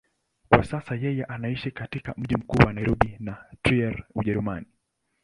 Kwa sasa yeye anaishi katika mji mkuu wa Nairobi na Trier, Ujerumani.